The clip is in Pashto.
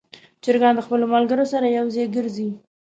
چرګان د خپلو ملګرو سره یو ځای ګرځي.